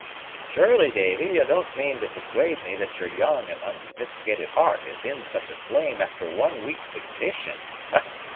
"Surely, Davy, you don't mean to persuade me that your young and unsophisticated heart is in such a flame, after one week's ignition?